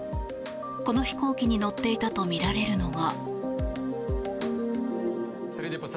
この飛行機に乗っていたとみられるのが。